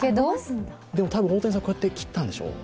でも多分、大谷さんはこうやって切ったんでしょ？